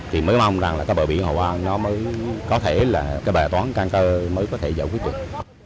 thì mới mong rằng bờ biển hội an có thể là bài toán can cơ mới có thể giải quyết được